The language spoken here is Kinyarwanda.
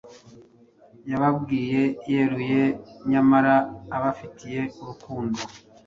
yababwiye yeruye nyamara abafitiye urukundo.